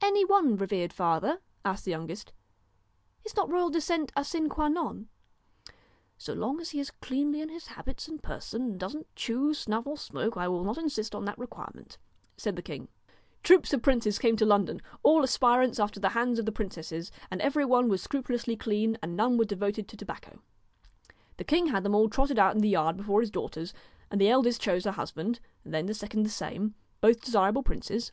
'Any one, revered father?' asked the youngest. ' Is not royal descent a sine qua non ?'' So long as he is cleanly in his habits and person, and doesn't chew, snuff, or smoke, I will not insist on that requirement,' said the king. Troops of princes came to London, all aspirants after the hands of the princesses, and every one was scrupulously clean, and none were devoted to tobacco. The king had them all trotted out in the yard before his daughters, and the eldest chose her husband, then did the second the same, both desirable princes.